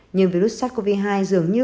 nhưng virus sars cov hai dường như